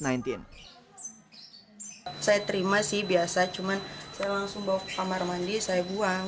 saya terima sih biasa cuma saya langsung bawa ke kamar mandi saya buang